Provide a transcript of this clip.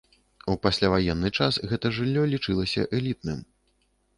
У пасляваенны час гэта жыллё лічылася элітным.